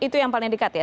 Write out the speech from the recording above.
itu yang paling dekat ya